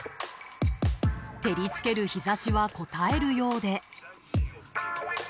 照り付ける日差しはこたえるようで。